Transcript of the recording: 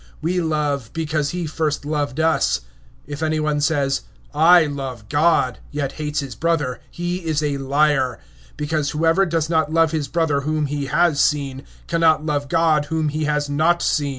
(19)We love, because he first loved us. (20)If any one say, I love God, and hates his brother, he is a liar; for he that loves not his brother whom he has seen, how can he love God whom he has not seen?